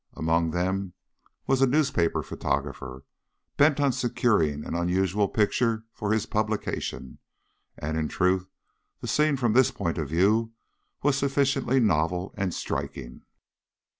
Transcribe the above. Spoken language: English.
Among them was a newspaper photographer, bent on securing an unusual picture for his publication, and in truth the scene from this point of view was sufficiently novel and striking.